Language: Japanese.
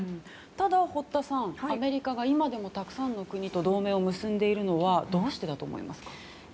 ただ、堀田さんアメリカが今でもたくさんの国と同盟を結んでいるのはどうしてだと思いますか？